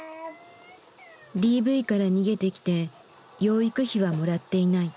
ＤＶから逃げてきて養育費はもらっていない。